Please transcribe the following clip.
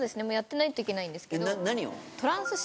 もうやってないといけないんですけど。